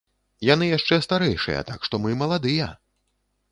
Яны яшчэ старэйшыя, так што мы маладыя!